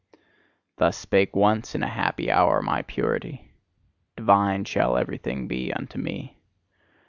Thus spake once in a happy hour my purity: "Divine shall everything be unto me."